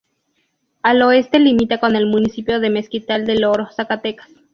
Al oeste limita con el municipio de Mezquital del Oro, Zacatecas.